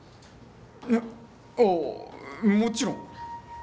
えああもちろん。